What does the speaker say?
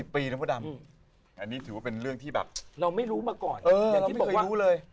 ๒๐ปีนะผู้ดำอันนี้ถือว่าเป็นเรื่องที่แบบเราไม่รู้มาก่อนเออเราไม่เคยรู้เลย